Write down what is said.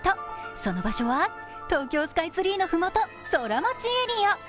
その場所は東京スカイツリーの麓、ソラマチエリア。